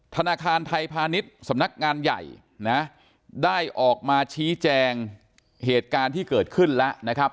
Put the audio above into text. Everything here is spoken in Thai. ธนาคารไทยพาณิชย์สำนักงานใหญ่นะได้ออกมาชี้แจงเหตุการณ์ที่เกิดขึ้นแล้วนะครับ